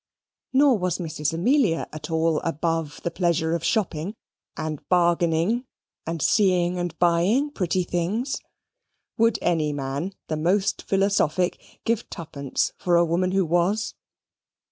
Nor was Mrs. Amelia at all above the pleasure of shopping, and bargaining, and seeing and buying pretty things. (Would any man, the most philosophic, give twopence for a woman who was?)